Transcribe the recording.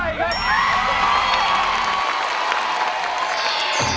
นี่